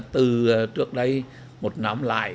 từ trước đây một năm lại